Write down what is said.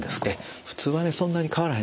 普通はそんなに変わらへんです。